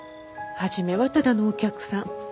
初めはただのお客さん。